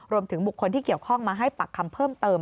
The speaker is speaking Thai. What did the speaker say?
รวมถึงบุคคลที่เกี่ยวข้องมาให้ปากคำเพิ่มเติม